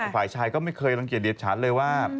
ฝ่ายชายก็ไม่เคยรังเกียจเดียดฉันเลยว่า